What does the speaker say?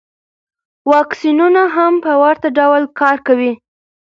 واکسینونه هم په ورته ډول کار کوي.